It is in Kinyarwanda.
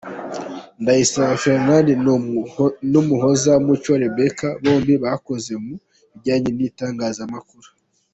Ndayisaba Ferrand na Umuhoza Mucyo Rebecca bombi bakoze mu bijyanye n’itangazamakuru.